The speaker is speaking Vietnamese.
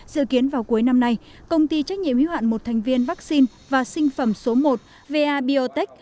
dự kiến vào cuối năm nay công ty trách nhiệm hữu hạn một thành viên vaccine và sinh phẩm số một va biotech